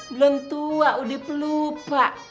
belum tua udah lupa